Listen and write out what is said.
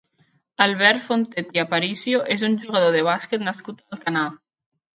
Albert Fontet i Aparicio és un jugador de bàsquet nascut a Alcanar.